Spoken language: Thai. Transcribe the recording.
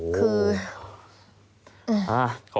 โอ้โฮ